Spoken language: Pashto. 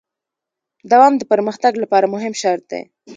دوام د پرمختګ لپاره مهم شرط دی.